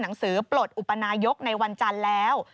หนังสือปลดอุปนายกในวันจันทร์แล้ว